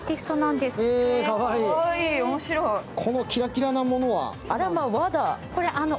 このキラッキラなものは？